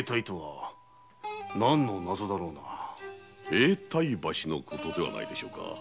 永代橋のことではないでしょうか？